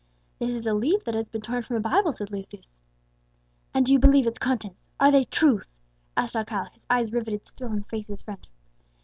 "This is a leaf that has been torn from a Bible," said Lucius. "And do you believe its contents are they truth?" asked Alcala, his eyes riveted still on the face of his friend.